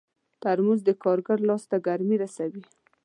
ترموز د کارګر لاس ته ګرمي رسوي.